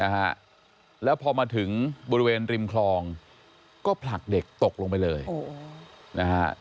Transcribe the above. นะฮะแล้วพอมาถึงบริเวณริมคลองก็ผลักเด็กตกลงไปเลยโอ้โหนะฮะ